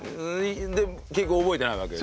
で結局覚えてないわけでしょ？